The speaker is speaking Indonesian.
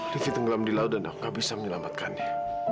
riki tenggelam di laut dan aku gak bisa menyelamatkannya